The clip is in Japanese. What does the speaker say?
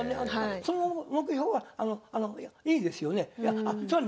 その目標はいいですよね。